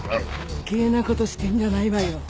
余計な事してんじゃないわよ！